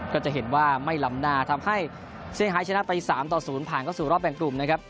ก็จะเห็นว่าไม่ล้ำหน้าทำให้เสียหายชนะไป๓ต่อ๐ผ่านเข้าสู่รอบแบ่งกลุ่มนะครับ